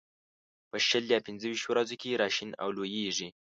په شل یا پنځه ويشتو ورځو کې را شین او لوېږي.